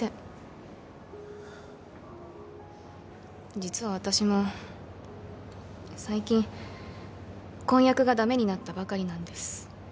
実は私も最近婚約がだめになったばかりなんです。